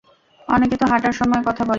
অনেকে তো হাটার সময় কথা বলে।